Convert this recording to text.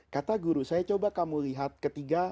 kata guru saya coba kamu lihat ketiga